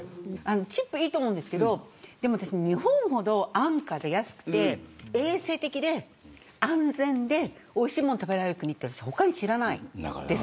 チップ、いいと思うんですけど日本ほど安価で安くて衛生的で安全で、おいしいものを食べられる国って他に知らないです。